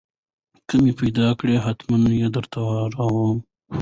که مې پېدا کړې حتمن يې درته راوړم.